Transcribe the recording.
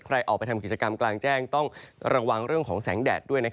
ใครออกไปทำกิจกรรมกลางแจ้งต้องระวังเรื่องของแสงแดดด้วย